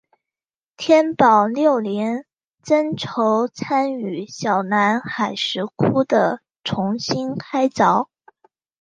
天保六年僧稠参与小南海石窟的重新开凿。